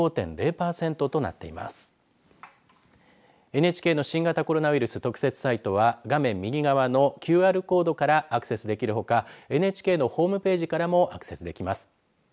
ＮＨＫの新型コロナウイルス特設サイトは画面右側のＱＲコードからアクセスできるほかＮＨＫのホームページからもアクセスできます。